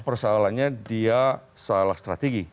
persoalannya dia salah strategi